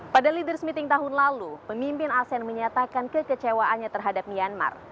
pada leaders meeting tahun lalu pemimpin asean menyatakan kekecewaannya terhadap myanmar